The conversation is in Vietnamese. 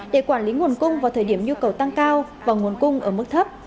để quản lý nguồn cung vào thời điểm nhu cầu tăng cao và nguồn cung ở mức thấp